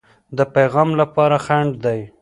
د پیغام لپاره خنډ دی.